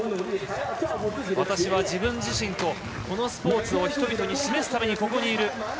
私は自分自身とこのスポーツを人々に示すためにここにいる。